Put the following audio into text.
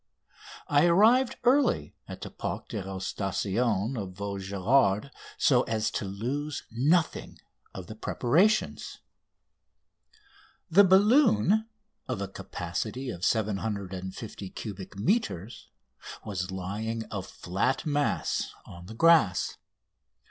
I arrived early at the Parc d'Aerostation of Vaugirard so as to lose nothing of the preparations. The balloon, of a capacity of 750 cubic metres, was lying a flat mass on the grass.